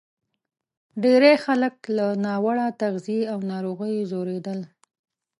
ډېری خلک له ناوړه تغذیې او ناروغیو ځورېدل.